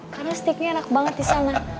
karena stiknya enak banget di sana